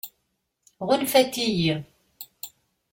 Ɣunfant-iyi?